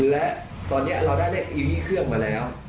และตอนนี้เราได้เลขอีวี่เครื่องมาแล้ว